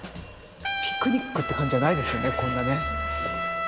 ピクニックって感じじゃないですよねこんなね。